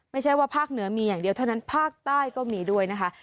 ไม่ใช่ว่าภาคเหนือมีอย่างเดียวเท่านั้นภาคใต้ก็มีด้วยนะคะ